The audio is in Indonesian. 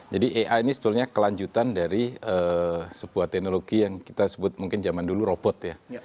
ai ini sebetulnya kelanjutan dari sebuah teknologi yang kita sebut mungkin zaman dulu robot ya